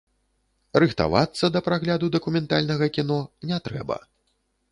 Рыхтавацца да прагляду дакументальнага кіно не трэба.